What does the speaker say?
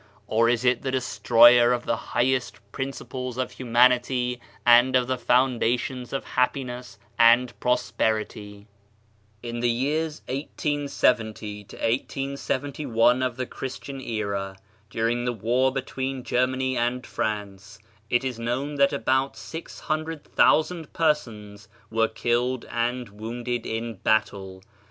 Or is it the destroyer of the highest prin ciples of humanity and of the foundations of hap piness and prosperity? In the years 1870 1871 of the Christian era, during the war between Germany and France, it is known that about 600,000 persons were killed and wounded in battle.